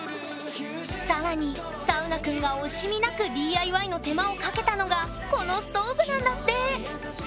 更にサウナくんが惜しみなくＤＩＹの手間をかけたのがこのストーブなんだって！